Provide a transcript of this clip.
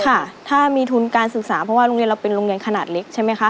ค่ะถ้ามีทุนการศึกษาเพราะว่าโรงเรียนเราเป็นโรงเรียนขนาดเล็กใช่ไหมคะ